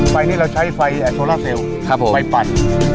ไฟนี้เราใช้ไฟแอร์โทรลาเซลล์ครับผมไฟปัน